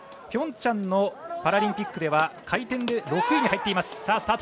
ピョンチャンのパラリンピックでは回転で６位に入っています。